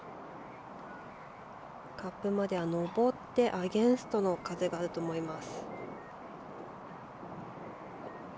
カップまでは上ってアゲンストの風があると思います。